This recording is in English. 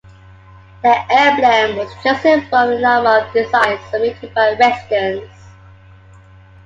The emblem was chosen from a number of designs submitted by residents.